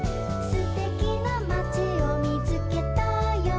「すてきなまちをみつけたよ」